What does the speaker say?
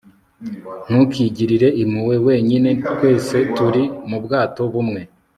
ntukigirire impuhwe wenyine twese turi mubwato bumwe